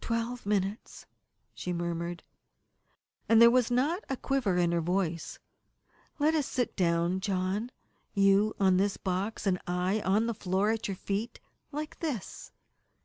"Twelve minutes," she murmured, and there was not a quiver in her voice. "Let us sit down, John you on this box, and I on the floor, at your feet like this."